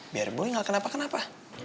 biar boy gak kenapa kenapa